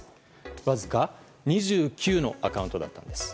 わずか２９のアカウントだったんです。